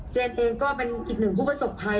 เองก็เป็นอีกหนึ่งผู้ประสบภัย